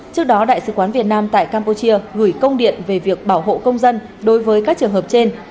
trước đó đại sứ quán việt nam tại campuchia gửi công điện về việc bảo hộ công dân đối với các trường hợp trên